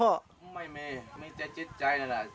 ไม่มีมีใจใจนั่นแหละ